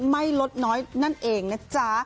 ไม่ลดน้อยนั่นเองนะจ๊ะ